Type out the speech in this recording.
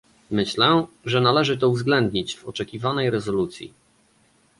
Myślę, że należy to uwzględnić w oczekiwanej rezolucji